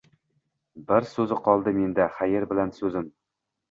Bir soʻz qoldi menda. Xayr bir Soʻzim.